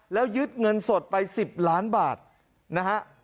แล้วยึดเงินสดไป๑๐ล้านบาทนะฮะ